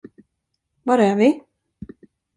Var är vi?